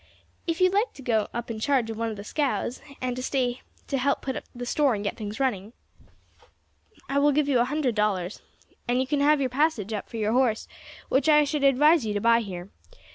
If you like to go up in charge of one of the scows, and to stay to help put up the store and set things running, I will give you a hundred dollars, and you can have your passage up for your horse, which I should advise you to buy here.